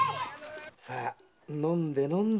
さぁ飲んで飲んで。